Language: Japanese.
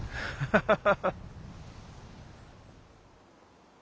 ハハハハ。